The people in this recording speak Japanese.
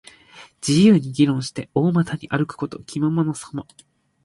自由に議論して、大股に歩くこと。気ままなさま。